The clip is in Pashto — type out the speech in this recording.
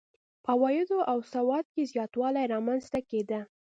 په عوایدو او سواد کې زیاتوالی رامنځته کېده.